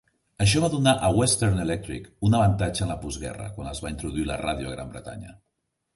Això va donar a Western Electric un avantatge en la postguerra quan es va introduir la ràdio a Gran Bretanya.